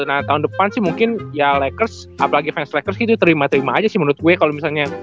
nah tahun depan sih mungkin ya lakers apalagi fans lakers gitu terima terima aja sih menurut gue kalau misalnya